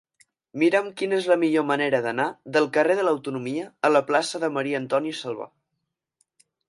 Mira'm quina és la millor manera d'anar del carrer de l'Autonomia a la plaça de Maria-Antònia Salvà.